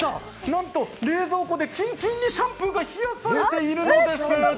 なんと冷蔵庫でキンキンにシャンプーが冷やされているのです。